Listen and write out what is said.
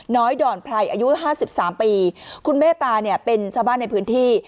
น้อยด่อนไพรอายุ๕๓ปีคุณเมตาเนี่ยเป็นชาวบ้านในพื้นที่